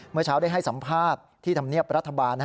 เมื่อเช้าได้ให้สัมภาษณ์ที่ธรรมเนียบรัฐบาล